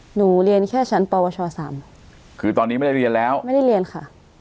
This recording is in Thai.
หนูเรียนแค่ชั้นปวชสามคือตอนนี้ไม่ได้เรียนแล้วไม่ได้เรียนค่ะ